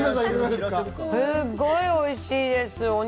すっごいおいしいです。